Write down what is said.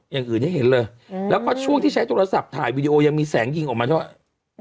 อย่างอื่นให้เห็นเลยแล้วก็ช่วงที่ใช้โทรศัพท์ถ่ายวีดีโอยังมีแสงยิงออกมาด้วย